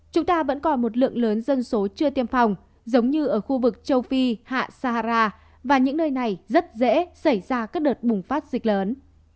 chúng ta vẫn còn một lượng lớn dân số chưa tiêm phòng giống như ở khu vực châu phi hạ sahara và những nơi này rất dễ xảy ra các đợt bùng phát dịch lớn